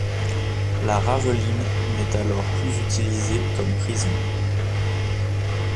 La raveline n'est alors plus utilisée comme prison.